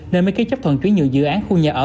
nên mới ký chấp thuận chuyển nhượng dự án khu nhà ở